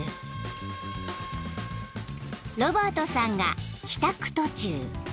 ［ロバートさんが帰宅途中］